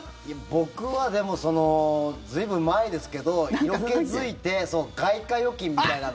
僕はでも随分前ですけど色気付いて外貨預金みたいなの。